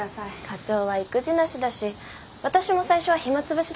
課長は意気地なしだし私も最初は暇つぶしだったんです。